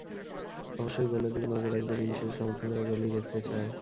অবশ্যই গোলের দিকে নজর রাখবে, দিন শেষে সমর্থকেরা গোলই দেখতে চায়।